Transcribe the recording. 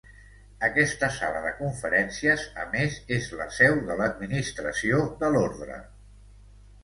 Aquesta sala de conferències a més és la seu de l'administració de l'Ordre.